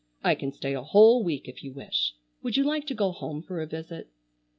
I can stay a whole week if you wish. Would you like to go home for a visit?"